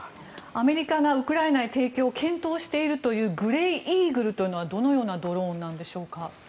アメリカがウクライナへ提供を検討しているというグレーイーグルというのはどのようなドローンなんでしょうか。